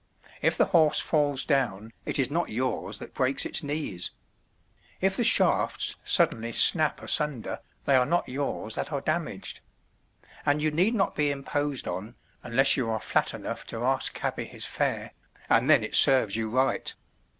If the horse falls down, it is not yours that breaks its knees; if the shafts suddenly snap asunder, they are not yours that are damaged. And you need not be imposed on, unless you are flat enough to ask cabby his fare, and then it serves you right.